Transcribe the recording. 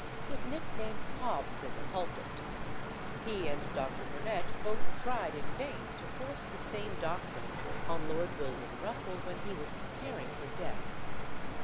was nicknamed "Hobbes in the pulpit;" he and Dr. Burnet both tried in vain to force the same doctrine on Lord William Russell when he was preparing for death.